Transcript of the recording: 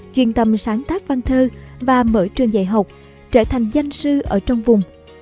chuyên tâm sáng tác văn thơ và mở trường dạy học trở thành danh sư ở trong vùng